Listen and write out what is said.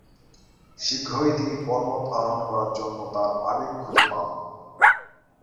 শীঘ্রই তিনি পর্বত আরোহণ করার জন্যে তার আবেগ খুঁজে পান।